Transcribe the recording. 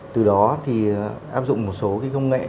từ đó thì áp dụng một số công nghệ